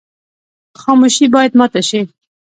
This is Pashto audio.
خاموشي باید ماته شي.